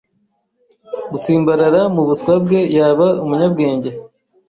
gutsimbarara mubuswa bwe yaba umunyabwenge